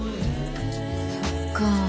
そっか。